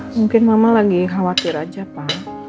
mungkin mama lagi khawatir aja pak